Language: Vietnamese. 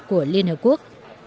của liên hợp quốc